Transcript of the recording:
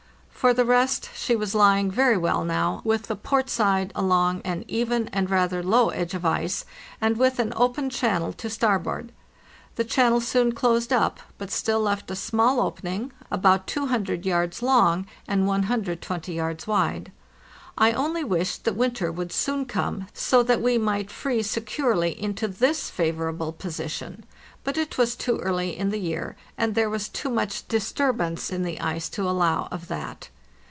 For the rest, she was lying very well now, with the port side along an even and rather low edge of ice, and with an open channel to starboard ; the channel soon closed up, but still left a small opening, about 200 yards long and 120 yards wide. I only wished that winter would soon come, so that we might freeze securely into this favorable position. But it was too early in the year, and there was too much disturbance in the ice to allow of that.